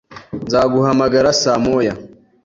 Nzaguhamagara saa moya